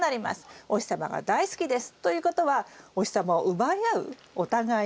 お日様が大好きです。ということはお日様を奪い合うお互いが。